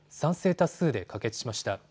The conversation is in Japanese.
多数で可決しました。